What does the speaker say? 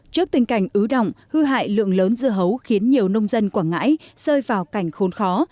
trước tình cảnh ứ động hư hại lượng lớn dưa hấu khiến nhiều nông dân quảng ngãi rơi vào cảnh khôn khó